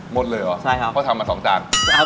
หมดเลยเหรอเพราะทำมา๒จานใช่ครับ